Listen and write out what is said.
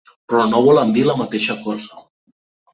Però no volen dir la mateixa cosa.